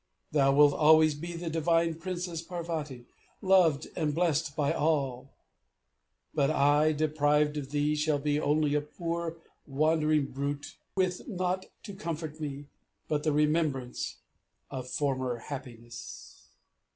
_ Thou wilt always be the divine Princess Parvati, Loved and blessed by all! But I, deprived of thee, Shall be only a poor wandering brute, With naught to comfort me _But the remembrance of former happiness!..."